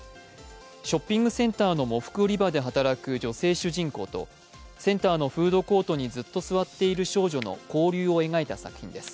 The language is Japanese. ショッピングセンターの喪服売り場で働く女性主人公と、センターのフードコートにずっと座っている少女の交流を描いた作品です。